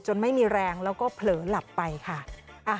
ไม่มีแรงแล้วก็เผลอหลับไปค่ะ